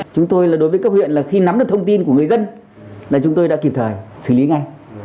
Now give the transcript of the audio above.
chúng tôi là đối với cấp huyện là khi nắm được thông tin của người dân là chúng tôi đã kịp thời xử lý ngay